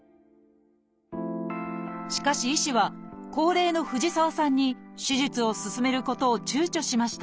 しかし医師は高齢の藤沢さんに手術を勧めることを躊躇しました。